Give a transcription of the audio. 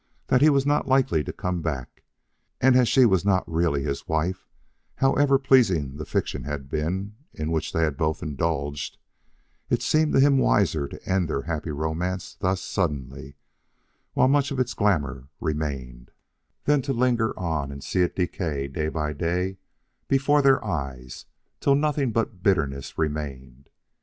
That he was not likely to come back, and as she was not really his wife, however pleasing the fiction had been in which they had both indulged, it seemed to him wiser to end their happy romance thus suddenly and while much of its glamour remained, than to linger on and see it decay day by day before their eyes till nothing but bitterness remained.